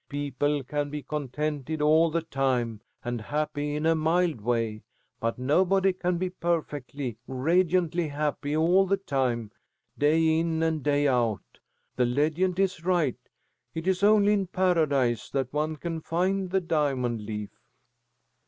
People can be contented all the time, and happy in a mild way, but nobody can be perfectly, radiantly happy all the time, day in and day out. The legend is right. It is only in Paradise that one can find the diamond leaf."